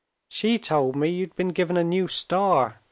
"She told me you'd been given a new star.